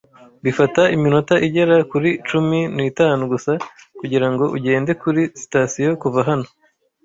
Bifata iminota igera kuri cumi n'itanu gusa kugirango ugende kuri sitasiyo kuva hano.